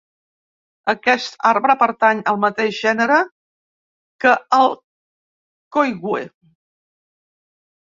Aquest arbre pertany al mateix gènere que el coigüe.